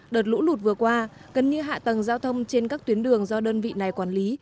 đợt lũ lụt vừa qua gần như hạ tầng giao thông trên các tuyến đường do đơn vị này quản lý